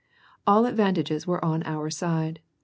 All the advantages were on our side.